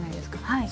はい。